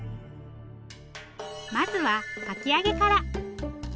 まずはかき揚げから。